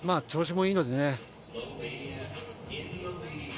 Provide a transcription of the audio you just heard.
調子もいいのでね。